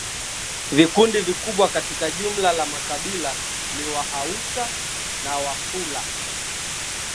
Vikundi vikubwa katika jumla la makabila ni Wahausa na Wafula